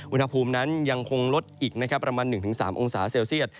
อุณหภูมินั้นยังคงลดอีกนะครับประมาณ๑๓องศาเซลเซียต